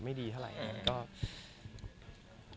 ก็มีไปคุยกับคนที่เป็นคนแต่งเพลงแนวนี้